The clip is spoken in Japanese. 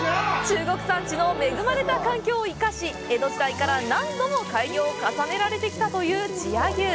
中国山地の恵まれた環境を生かし、江戸時代から何度も改良を重ねられてきたという千屋牛。